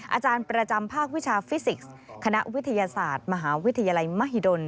อาจารย์ประจำภาควิชาฟิสิกส์คณะวิทยาศาสตร์มหาวิทยาลัยมหิดล